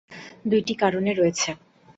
দুইটি কারণে রয়েছে।